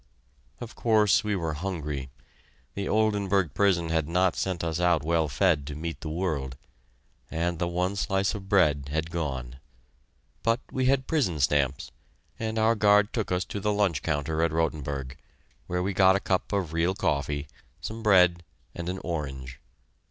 Of course we were hungry the Oldenburg prison had not sent us out well fed to meet the world, and the one slice of bread had gone. But we had prison stamps, and our guard took us to the lunch counter at Rotenburg, where we got a cup of real coffee, some bread, and an orange.